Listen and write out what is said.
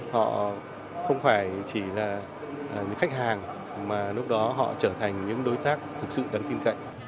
họ không phải chỉ là những khách hàng mà lúc đó họ trở thành những đối tác thực sự đáng tin cậy